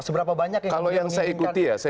seberapa banyak yang ingin memimpinkan adanya reform ini